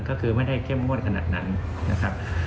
ก็คือไม่ได้เข้มงวดขนาดนั้นนะครับ